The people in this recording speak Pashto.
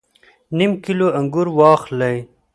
نیم کیلو انګور واخلئ